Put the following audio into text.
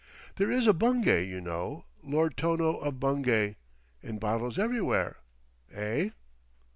There is a Bungay, you know. Lord Tono of Bungay—in bottles everywhere. Eh?"